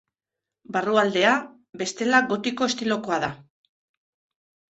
Barrualdea, bestela gotiko estilokoa da.